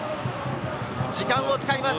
時間を使います。